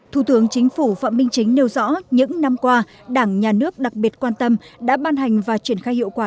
thủ tướng chính phủ phạm minh chính nêu rõ những năm qua đảng nhà nước đặc biệt quan tâm đã ban hành và triển khai hiệu quả